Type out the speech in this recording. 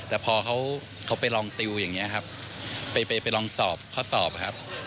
แต่พอเขาไปลองติวอย่างนี้ครับไปลองสอบข้อสอบครับ